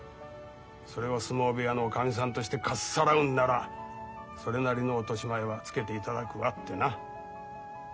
それを相撲部屋のおかみさんとしてかっさらうんならそれなりの落とし前はつけていただくわ」ってな。